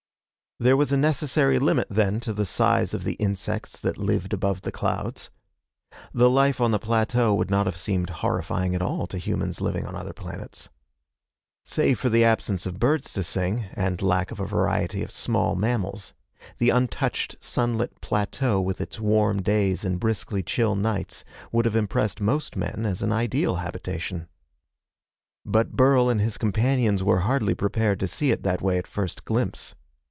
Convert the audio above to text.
There was a necessary limit then, to the size of the insects that lived above the clouds. The life on the plateau would not have seemed horrifying at all to humans living on other planets. Save for the absence of birds to sing and lack of a variety of small mammals, the untouched sunlit plateau with its warm days and briskly chill nights would have impressed most men as an ideal habitation. But Burl and his companions were hardly prepared to see it that way at first glimpse.